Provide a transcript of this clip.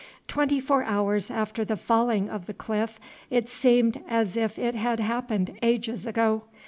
Twenty four hours after the falling of the cliff, it seemed as if it had happened ages ago.